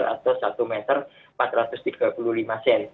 atau satu meter empat ratus tiga puluh lima cm